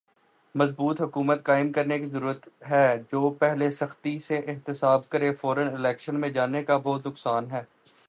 مضبوط حکومت قائم کرنے کی ضرورت ہے۔۔جو پہلے سختی سے احتساب کرے۔۔فورا الیکشن میں جانے کا بہت نقصان ہے۔۔